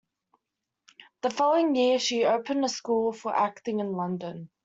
The following year, she opened a school for acting in London.